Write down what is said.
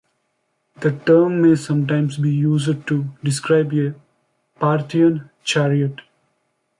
The term may sometimes be used to describe a Parthian chariot.